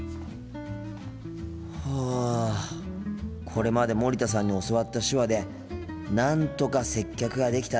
これまで森田さんに教わった手話でなんとか接客ができたなあ。